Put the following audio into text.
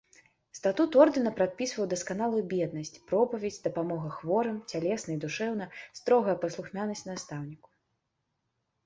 Статут ордэна прадпісваў дасканалую беднасць, пропаведзь, дапамога хворым цялесна і душэўна, строгае паслухмянасць настаўніку.